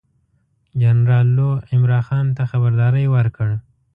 جنرال لو عمرا خان ته خبرداری ورکړ.